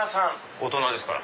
大人ですから。